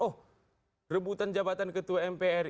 oh rebutan jabatan ketua mpr